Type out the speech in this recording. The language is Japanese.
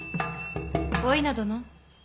お稲殿。